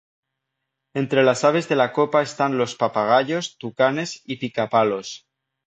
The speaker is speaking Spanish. Entre las aves de la copa están los papagayos, tucanes y pica-palos.